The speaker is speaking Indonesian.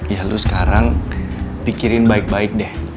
ya lu sekarang pikirin baik baik deh